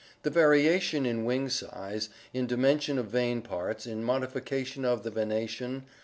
. the variation in wing size, in dimensions of vein parts, in modification of the vena tion